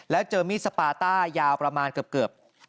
แล้วเจอมีดสปาต้ายาวประมาณเกือบ